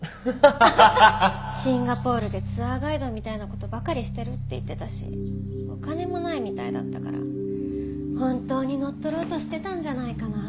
シンガポールでツアーガイドみたいな事ばかりしてるって言ってたしお金もないみたいだったから本当に乗っ取ろうとしてたんじゃないかな。